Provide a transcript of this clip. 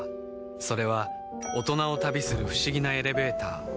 それは大人を旅する不思議なエレベーター